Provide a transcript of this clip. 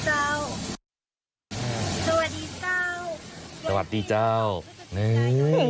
ขอเชิญชวนนักท่องเที่ยวมาร่วมรอยกระทงบนดอยเชียงใหม่ซูอาโฟเรียมโดยเจ้า